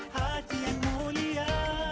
hati yang mulia